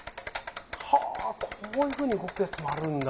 こういうふうに動くやつもあるんだ。